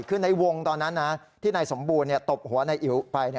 คือในวงตอนนั้นที่นายสมบูรณ์ตบหัวนายอิ๋วไป